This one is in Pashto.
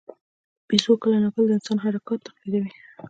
بیزو کله ناکله د انسان حرکات تقلیدوي.